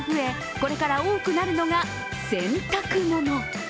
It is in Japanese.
これから多くなるのが洗濯物。